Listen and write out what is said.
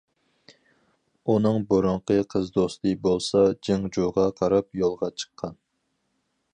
ئۇنىڭ بۇرۇنقى قىز دوستى بولسا جېڭجۇغا قاراپ يولغا چىققان.